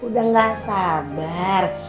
udah gak sabar